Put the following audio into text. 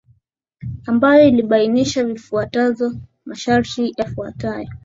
ambayo ilibainisha zifuatazo masharti yafuatayo